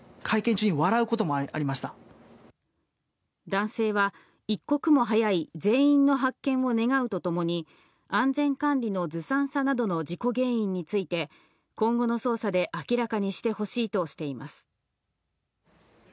男性は一刻も早い全員の発見を願うとともに安全管理のずさんさなどの事故原因について今後の捜査で明らかにしてほしいとしています。